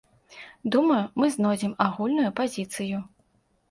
Думаю, мы знойдзем агульную пазіцыю.